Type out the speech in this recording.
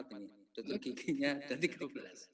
dokter giginya ada tiga belas